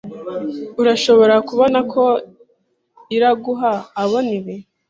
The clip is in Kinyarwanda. Urashobora kubona ko Iraguha abona ibi?